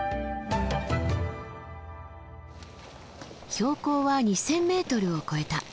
標高は２，０００ｍを超えた。